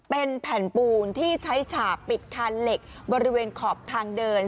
เป็นแผ่นปูนที่ใช้ฉาบปิดคานเหล็กบริเวณขอบทางเดิน